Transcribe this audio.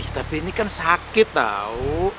tapi ini kan sakit tau